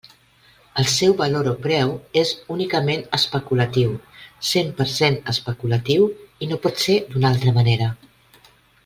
El seu valor o preu és únicament especulatiu, cent per cent especulatiu, i no pot ser d'una altra manera.